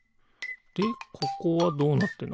でここはどうなってるのかな？